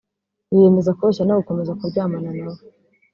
biyemeza kubeshya no gukomeza kuryamana na bo